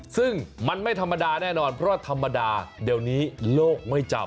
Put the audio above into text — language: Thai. ซึ่งมันไม่ธรรมดาแน่นอนเพราะธรรมดาเดี๋ยวนี้โลกไม่จำ